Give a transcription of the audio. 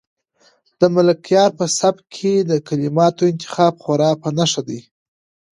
د ملکیار په سبک کې د کلماتو انتخاب خورا په نښه دی.